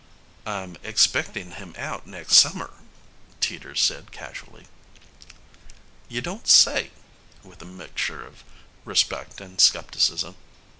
"I'm expectin' him out next summer," Teeters said casually. "You don't say?" with a mixture of respect and skepticism.